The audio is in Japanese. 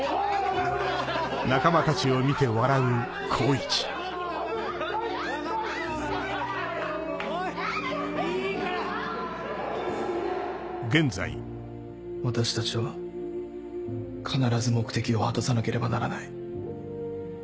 一同のはしゃぎ声私たちは必ず目的を果たさなければならない。